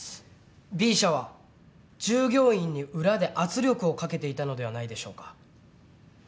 Ｂ社は従業員に裏で圧力をかけていたのではないでしょうか。